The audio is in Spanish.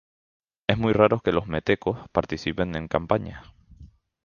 Es muy raro que los metecos participen en campañas.